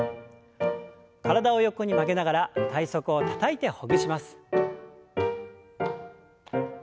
体を横に曲げながら体側をたたいてほぐします。